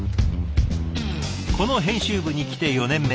この編集部に来て４年目。